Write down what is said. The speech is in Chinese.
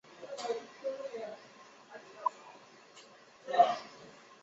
现时该微博已被删除。